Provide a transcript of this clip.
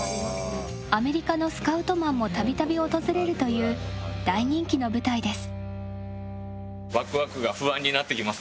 アメリカのスカウトマンも度々、訪れるという大人気の舞台です。